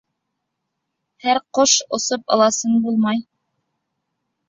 Һәр ҡош осоп ыласын булмай.